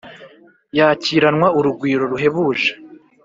yakiranwa urugwiro ruhebuje.